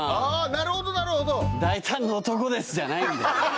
なるほどなるほど「大胆な漢です！」じゃないんだよ